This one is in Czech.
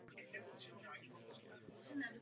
Tělo je zde k vidění v prosklené rakvi.